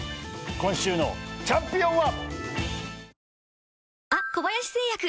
今週のチャンピオンは。